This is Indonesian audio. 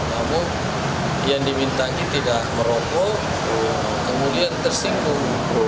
namun yang dimintai tidak merokok kemudian tersinggung